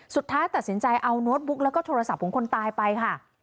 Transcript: สุดท้ายตัดสินใจเอาโน้ตบุ๊กแล้วก็โทรศัพท์ของคนตายไปค่ะ